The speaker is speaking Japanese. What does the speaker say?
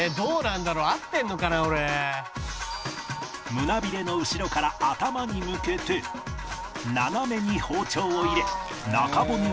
胸びれの後ろから頭に向けて斜めに包丁を入れ中骨を切り